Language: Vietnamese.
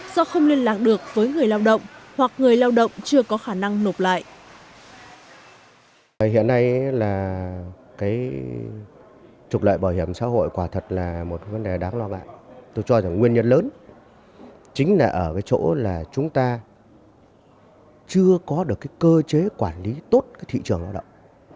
do không liên lạc được với người lao động